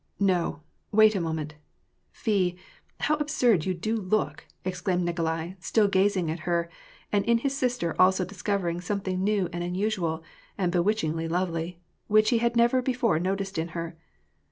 " No, wait a moment. Fie ! how absurd you do look !" ex claimed Nikolai, still gazing at her, and in his sister also dis covering something new and unusual, and bewitchingly lovely, which he had never before noticed in her.